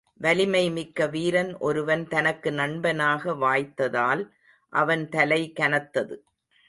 வலிமை மிக்க வீரன் ஒருவன் தனக்கு நண்பனாக வாய்த்ததால் அவன் தலை கனத்தது.